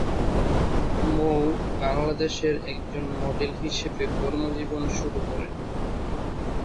মৌ বাংলাদেশের একজন মডেল হিসেবে কর্মজীবন শুরু করেন।